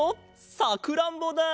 さくらんぼだ！